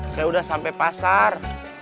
saya udah sampai pasar